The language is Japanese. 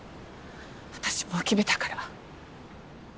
私もう決めたから。